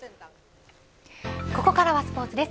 ここからスポーツです。